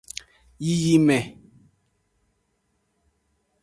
Yiyime.